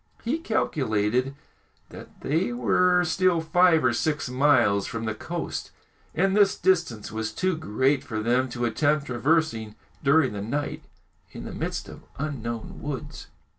He calculated that they were still five or six miles from the coast, and this distance was too great for them to attempt traversing during the night in the midst of unknown woods.